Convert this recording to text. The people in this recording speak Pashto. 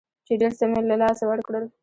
چې ډېر څه مې له لاسه ورکړل.